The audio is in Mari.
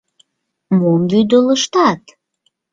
Мом вӱдылыштат?